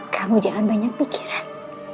kamu jangan banyak pikiran